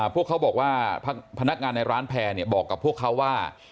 พวกเขาบอกว่าพนักงานในร้านแพร่บอกกับพวกเขาว่า